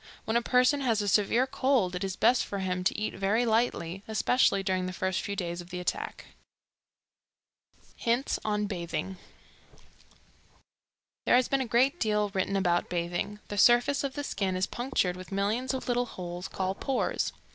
When a person has a severe cold it is best for him to eat very lightly, especially during the first few days of the attack. Hints on Bathing. There has been a great deal written about bathing. The surface of the skin is punctured with millions of little holes called pores.